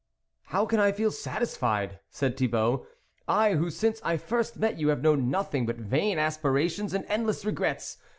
" How can I feel satisfied," said Thi bault. " I, who since I first met you, have known nothing but vain aspirations and endless regrets